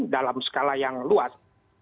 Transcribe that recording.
dalam skala yang luas